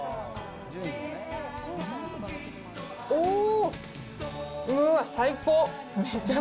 おー、最高！